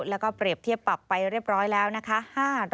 แล้วก็เปรียบเทียบปรับไปเรียบร้อยแล้วนะคะ